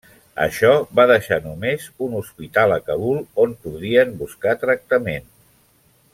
Això va deixar només un hospital a Kabul on podrien buscar tractament.